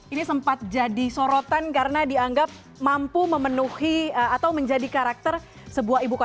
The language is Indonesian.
ini sempat jadi sorotan karena dianggap mampu memenuhi atau menjadi karakter sebuah ibu kota